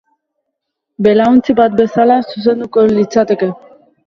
Belaontzi bat bezala zuzenduko litzateke.